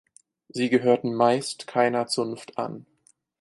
Sie gehörten meist keiner Zunft an.